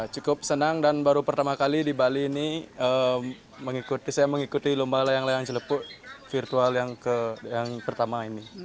cukup senang dan baru pertama kali di bali ini saya mengikuti lomba layang layang cilepuk virtual yang pertama ini